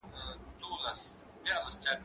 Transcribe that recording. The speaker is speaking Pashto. زه اجازه لرم چي چپنه پاک کړم،